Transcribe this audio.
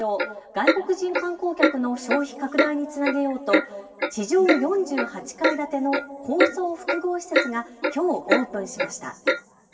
外国人観光客の消費拡大につなげようと地上４８階建ての高層複合施設がきょうオープンしました。